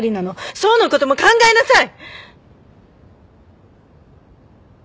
想のことも考えなさい！